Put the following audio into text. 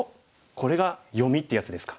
これが読みってやつですか。